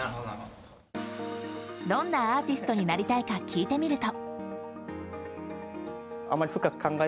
どんなアーティストになりたいか聞いてみると。